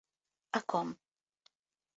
A Com.